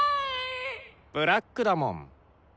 ブラックだもん。